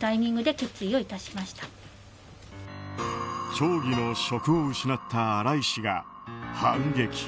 町議の職を失った新井氏が反撃。